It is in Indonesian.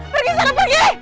pergi sana pergi